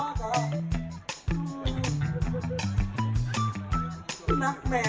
อันนี้เขาก็อยู่อย่างครับผม